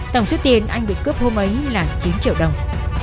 tổng số tiền anh bị cướp hôm ấy là chín triệu đồng